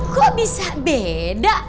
kok bisa beda